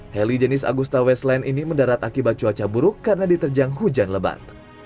heli jenis agusta westland ini mendarat akibat cuaca buruk karena diterjang hujan lebat